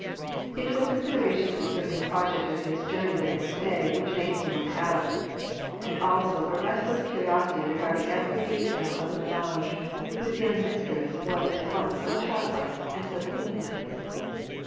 It was considerations concerning the project of his journey the next day which had made him look out, and also a restless curiosity regarding every detail of the ménage whose young mistress was at once so child like and so queenlike.